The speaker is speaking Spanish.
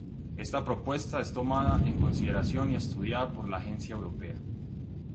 Esta propuesta es tomada en consideración y estudiada por la agencia europea.